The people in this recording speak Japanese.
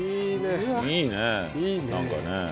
いいね。